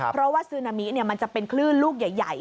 เพราะว่าซึนามิมันจะเป็นคลื่นลูกใหญ่